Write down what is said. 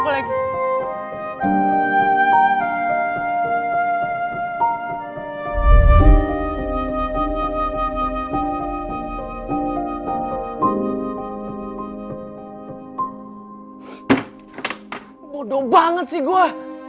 bodo banget sih gua